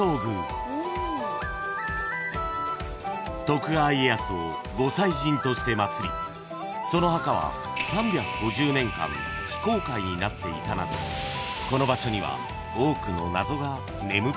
［徳川家康を御祭神としてまつりその墓は３５０年間非公開になっていたなどこの場所には］